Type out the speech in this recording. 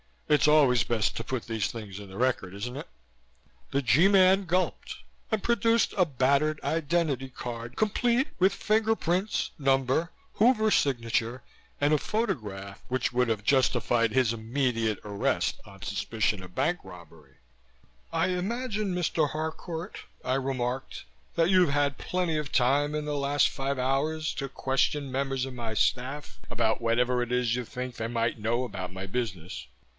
It's always best to put these things in the record, isn't it?" The G Man gulped and produced a battered identity card, complete with fingerprints, number, Hoover's signature and a photograph which would have justified his immediate arrest on suspicion of bank robbery. "I imagine, Mr. Harcourt," I remarked, "that you've had plenty of time in the last five hours to question members of my staff about whatever it is you think they might know about my business."